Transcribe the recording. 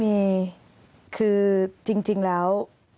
มีคือจริงแล้ว